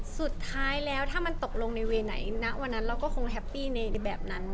สุดท้ายแล้วถ้ามันตกลงในเวย์ไหนณวันนั้นเราก็คงแฮปปี้ในแบบนั้น